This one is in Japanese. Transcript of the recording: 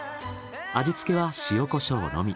味付けは塩コショウのみ。